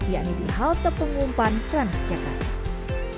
yakni di halte pengumpan transjakarta